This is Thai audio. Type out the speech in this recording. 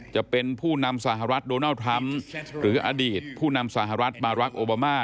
จะเป็นผู้นำสหรัฐโดนัลด์ทรัมป์หรืออดีตผู้นำสหรัฐบารักษ์โอบามา